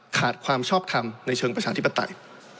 ขาดความชอบทำในเชิงประชาธิปไตย